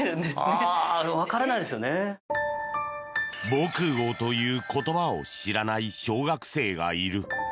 防空壕という言葉を知らない小学生がいる。